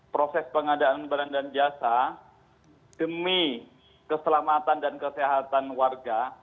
proses pengadaan barang dan jasa demi keselamatan dan kesehatan warga